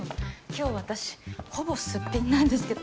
今日私ほぼすっぴんなんですけど。